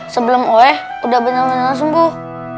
sebelum oleh udah benar benar sembuh